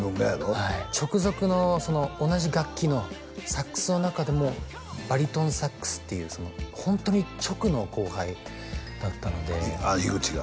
はい直属の同じ楽器のサックスの中でもバリトンサックスっていうホントに直の後輩だったので樋口が？